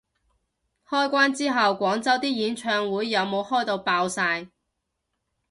開關之後廣州啲演唱會有冇開到爆晒